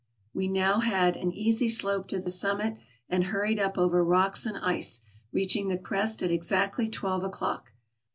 We had now an easy slope to the summit, and hurried up over rocks and ice, reaching the crest at exactly twelve o'clock.